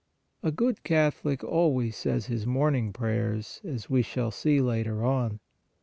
123 124 PRAYER A good Catholic always says his morning prayers, as we shall see later on.